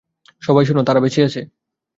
সবাই শোনো, তারা বেঁচে আছে।